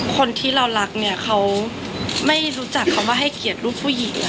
คนที่เรารักเนี่ยเขาไม่รู้จักคำว่าให้เกียรติลูกผู้หญิง